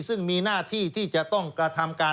ซึ่งมีหน้าที่ที่จะต้องกระทำการ